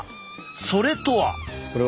それとは。